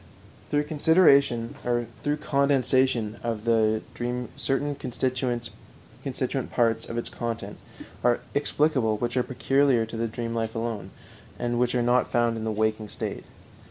Through condensation of the dream certain constituent parts of its content are explicable which are peculiar to the dream life alone, and which are not found in the waking state.